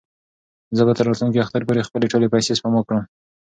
زه به تر راتلونکي اختر پورې خپلې ټولې پېسې سپما کړم.